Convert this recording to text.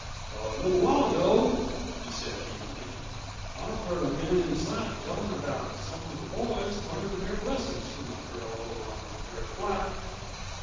"A little while ago," he said evenly, "I heard a man inside tellin' about some of the boys learnin' their lessons from a girl over on Bear Flat.